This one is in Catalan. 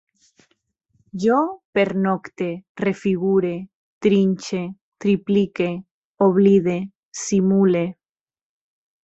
Jo pernocte, refigure, trinxe, triplique, oblide, simule